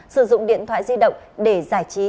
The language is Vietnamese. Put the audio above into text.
sử dụng điện thoại di động để giải trí